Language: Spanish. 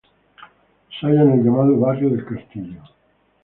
Se halla en el llamado "barrio del castillo".